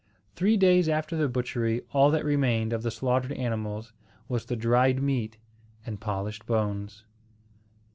Three days after the butchery, all that remained of the slaughtered animals was the dried meat and polished bones.